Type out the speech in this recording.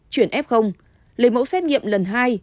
chuyển f lấy mẫu xét nghiệm lần hai